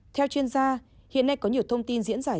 theo chuyên gia hiện nay có nhiều thông tin diễn giải